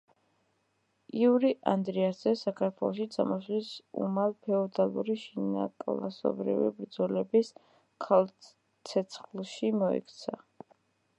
იური ანდრიას ძე საქართველოში ჩამოსვლის უმალ ფეოდალური შინაკლასობრივი ბრძოლების ქარცეცხლში მოექცა.